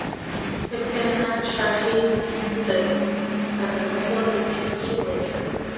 Captain Archer hails them, but the vessel returns to warp.